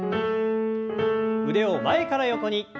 腕を前から横に。